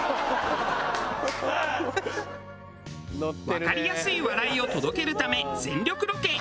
わかりやすい笑いを届けるため全力ロケ。